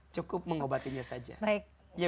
cukup mengobatinya saja